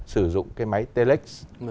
sử dụng máy telex